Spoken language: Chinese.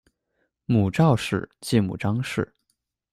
母赵氏；继母张氏。